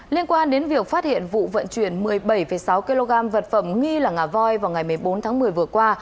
liên quan đến việc phát hiện vụ vận chuyển một mươi bảy sáu kg vật phẩm nghi là ngà voi vào ngày một mươi bốn tháng một mươi vừa qua